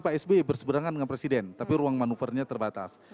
pak sby berseberangan dengan presiden tapi ruang manuvernya terbatas